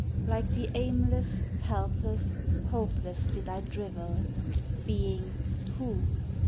Like the aimless, helpless, hopeless did I drivel — Being — who